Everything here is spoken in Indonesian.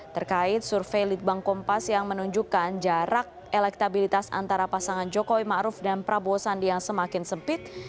terkait survei litbang kompas yang menunjukkan jarak elektabilitas antara pasangan jokowi ⁇ maruf ⁇ dan prabowo sandi yang semakin sempit